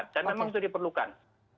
dan memang itu diperlukan